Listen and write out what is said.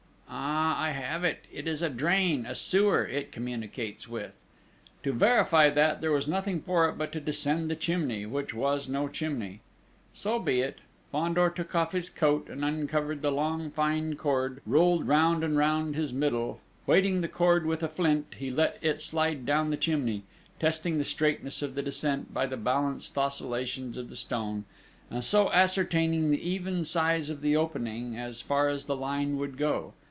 Ah, I have it! It is a drain, a sewer, it communicates with!" To verify that, there was nothing for it but to descend this chimney, which was no chimney! So be it!... Fandor took off his coat, and uncovered the long, fine cord, rolled round and round his middle. Weighting the cord with a flint, he let it slide down the chimney, testing the straightness of the descent by the balanced oscillations of the stone, and so ascertaining the even size of the opening, as far as the line would go.